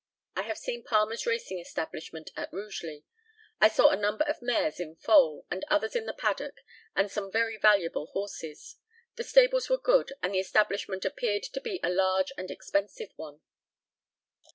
I have seen Palmer's racing establishment at Rugeley. I saw a number of mares in foal, and others in the paddock, and some very valuable horses. The stables were good, and the establishment appeared to be a large and expensive one.